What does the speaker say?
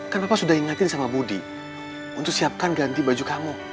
kan papa sudah ingatin sama budi untuk siapkan ganti baju kamu